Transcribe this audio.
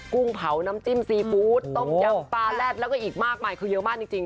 กุ้งเผาน้ำจิ้มซีฟู้ดต้มยำปลาแรดแล้วก็อีกมากมายคือเยอะมากจริง